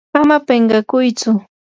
ama pinqakuytsu.